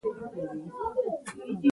باز تل زړور او فعال وي